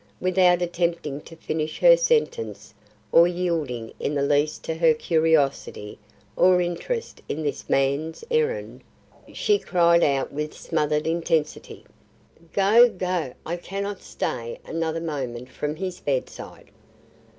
Without attempting to finish her sentence, or yielding in the least to her curiosity or interest in this man's errand, she cried out with smothered intensity, "Go! go! I cannot stay another moment from his bedside."